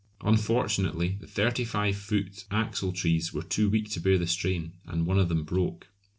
Unfortunately, the long 35 foot axletrees were too weak to bear the strain, and one of them broke.